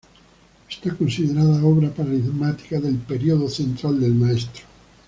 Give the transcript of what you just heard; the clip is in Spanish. Está considerada obra paradigmática del período central del maestro.